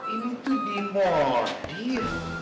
ini tuh dimodif